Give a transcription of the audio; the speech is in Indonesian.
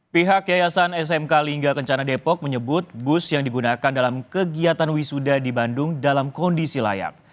pihak yayasan smk lingga kencana depok menyebut bus yang digunakan dalam kegiatan wisuda di bandung dalam kondisi layak